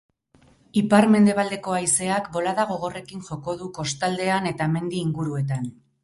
Ipar-mendebaldeko haizeak bolada gogorrekin joko du kostaldean eta mendi inguruetan.